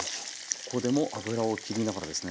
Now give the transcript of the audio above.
ここでも脂をきりながらですね。